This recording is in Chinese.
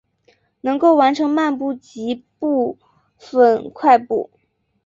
能够完成漫步及部份快步。